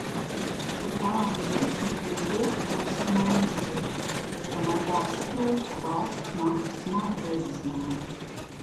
Kur pelna desmitiem tūkstošus mēnesī. Tomēr jāsaprot, ka valsts maks nav bezizmēra.